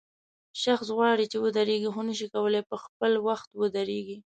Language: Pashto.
شخص غواړي چې ودرېږي خو نشي کولای په خپل وخت ودرېږي.